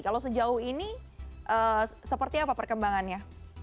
kalau sejauh ini seperti apa perkembangannya